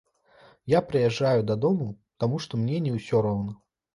Я прыязджаю дадому, таму што мне не ўсё роўна.